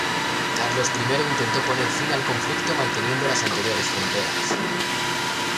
Carlos I intentó poner fin al conflicto manteniendo las anteriores fronteras.